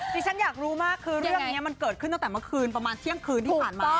ที่ฉันอยากรู้มากคือเรื่องนี้มันเกิดขึ้นตั้งแต่เมื่อคืนประมาณเที่ยงคืนที่ผ่านมา